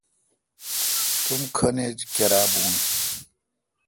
تم کھن ایچ کیرا بھون۔